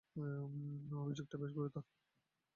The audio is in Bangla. অভিযোগটা বেশ গুরুতর।